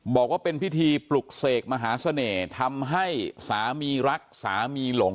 บอกว่าเป็นพิธีปลุกเสกมหาเสน่ห์ทำให้สามีรักสามีหลง